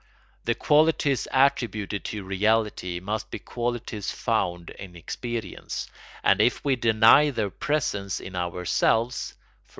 The qualities attributed to reality must be qualities found in experience, and if we deny their presence in ourselves (_e.